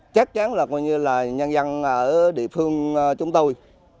chắc chắn là nhân dân ở địa phương chúng tôi